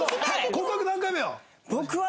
告白何回目よ？